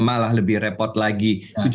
malah lebih repot lagi